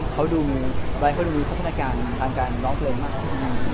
เขาดูมือร้ายเขาดูมือพัฒนาการทางการร้องเพลงมาก